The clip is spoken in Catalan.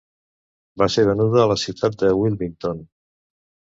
Va ser venuda a la ciutat de Wilmington.